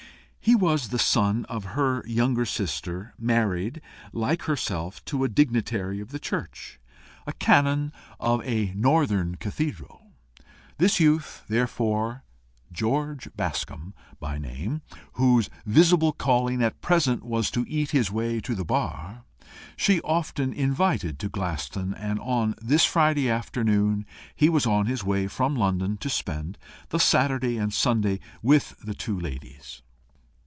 He was the son of her younger sister, married, like herself, to a dignitary of the Church, a canon of a northern cathedral. This youth, therefore, Greorge Bascombe by name, whose visible calling at present was to eat his way to the bar, she often invited to Glaston; and on this Friday afternoon he was on his way from London to spend the Saturday and Sunday with the two ladies.